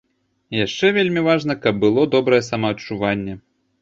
Яшчэ вельмі важна, каб было добрае самаадчуванне.